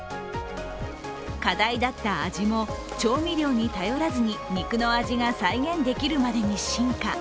課題だった味も、調味料に頼らずに肉の味が再現できるまでに進化。